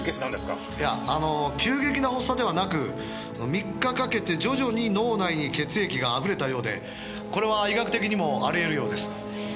「いやあの急激な発作ではなく３日かけて徐々に脳内に血液があふれたようでこれは医学的にもありえるようです」